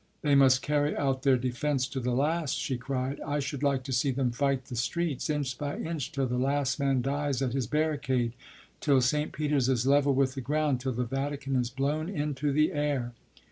"They must carry out their defence to the last," she cried. "I should like to see them fight the streets, inch by inch, till the last man dies at his barricade, till St. Peter's is level with the ground, till the Vatican is blown into the air.